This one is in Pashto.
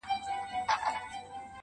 تر پرون مي يوه کمه ده راوړې.